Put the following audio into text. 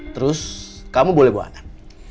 terus kamu boleh bawa anak